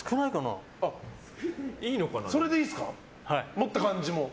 持った感じも？